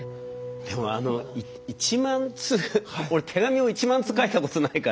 でもあの１万通俺手紙を１万通書いたことないから。